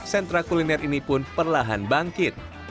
sentra kuliner ini pun perlahan bangkit